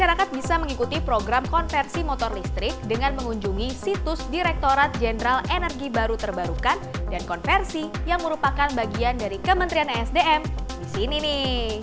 masyarakat bisa mengikuti program konversi motor listrik dengan mengunjungi situs direktorat jenderal energi baru terbarukan dan konversi yang merupakan bagian dari kementerian esdm di sini nih